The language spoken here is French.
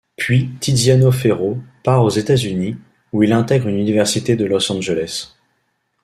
Puis Tiziano Ferro part aux États-Unis, où il intègre une université de Los Angeles.